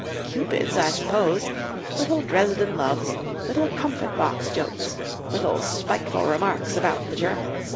Cupids, I suppose, little Dresden loves, little comfit box jokes, little spiteful remarks about the Germans.